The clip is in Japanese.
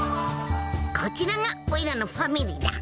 こちらがおいらのファミリーだ。